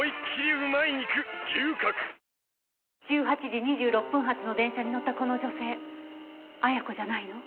１８時２６分発の電車に乗ったこの女性亜矢子じゃないの？